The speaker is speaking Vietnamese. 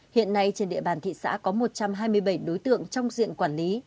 hiện nay trên địa bàn thị xã có một trăm hai mươi bảy đối tượng trong diện quản lý